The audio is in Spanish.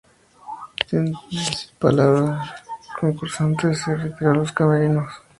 Sin decir palabra, el concursante se retiró a los camerinos.